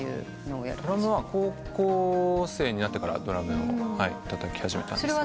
ドラムは高校生になってからドラムをたたき始めたんです。